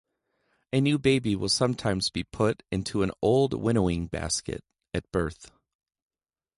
A new baby will sometimes be put into an old winnowing-basket at birth.